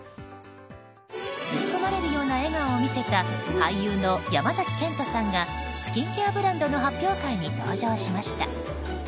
吸い込まれるような笑顔を見せた俳優の山崎賢人さんがスキンケアブランドの発表会に登場しました。